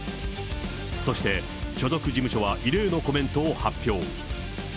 そして、所属事務所は異例のコメントを発表。